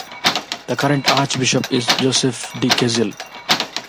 The current Archbishop is Jozef De Kesel.